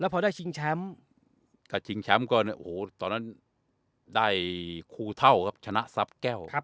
แล้วพอได้ชิงแชมป์กับตอนนั้นได้ครูเถ้าครับชนะซับแก้วครับ